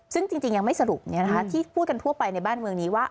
ซึ่งจริงยังไม่สรุปที่พูดกันทั่วไปในบ้านเมืองนี้ว่า